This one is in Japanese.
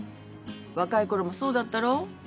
若いころもそうだったろう？